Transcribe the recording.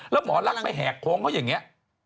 แล้วหมอลักษณ์ไปแหกโค้งเขาอย่างนี้